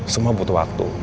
semua butuh waktu